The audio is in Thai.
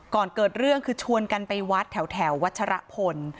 ก่อนเกิดเรื่องคือชวนกันไปวัดแถววัชรพล